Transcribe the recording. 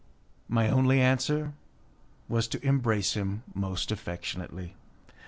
My only answer was to embrace him most affectionately.